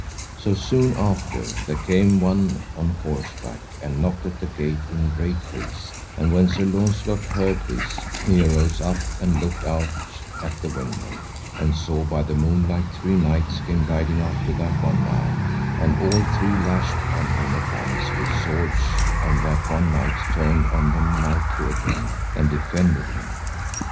So, soon after, there came one on horseback, and knocked at the gate in great haste, and when Sir Launcelot heard this, he arose up and looked out at the window, and saw by the moonlight three knights came riding after that one man, and all three lashed on him at once with swords, and that one knight turned on them knightly again, and defended him.